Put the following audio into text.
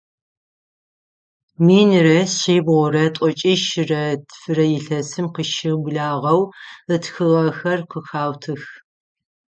Минрэ шъибгъурэ тӏокӏищрэ тфырэ илъэсым къыщыублагъэу ытхыгъэхэр къыхаутых.